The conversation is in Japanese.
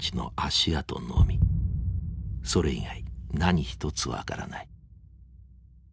それ以外何一つ分からない。